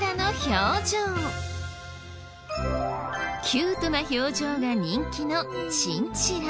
キュートな表情が人気のチンチラ。